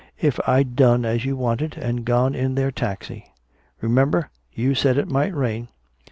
If I'd done as you wanted and gone in their taxi. Remember? You said it might rain."